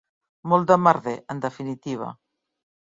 Molt de merder, en definitiva.